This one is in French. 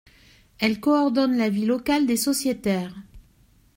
Elles coordonnent la vie locale des sociétaires.